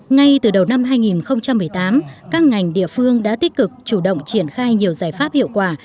ngay từ đầu năm hai nghìn một mươi tám các ngành địa phương đã tích cực chủ động triển khai nhiều giải pháp hiệu quả